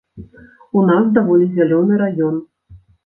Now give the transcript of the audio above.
У нас даволі зялёны раён.